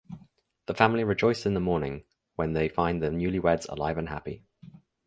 The family rejoice in the morning when they find the newlyweds alive and happy.